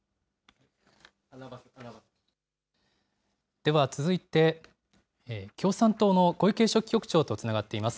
では続いて、共産党の小池書記局長とつながっています。